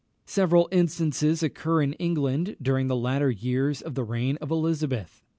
Several instances occur in England during the latter years of the reign of Elizabeth.